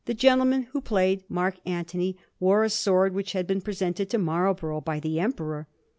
gentleman who played Mark Antony wore a sword which had been presented to Marlborough by the Emperor.